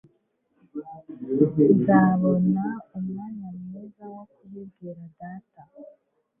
Nzabona umwanya mwiza wo kubibwira Data.